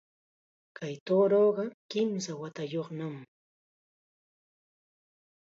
Kay tuuruqa kimsa watayuqnam